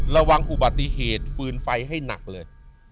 ระวังอุบัติเหตุฟืนไฟให้หนักเลย